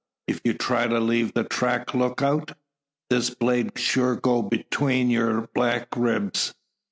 If you try leave the track look out. This blade sure go 'tween your back ribs."